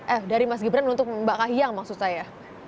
eh dari mas gibran untuk mbak kahiyang maksud saya